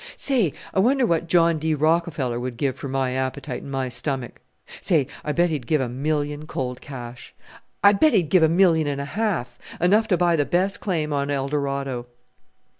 "Say! I wonder what John D. Rockefeller would give for my appetite and my stomach! Say! I bet he'd give a million cold cash. I bet he'd give a million and a half enough to buy the best claim on Eldorado."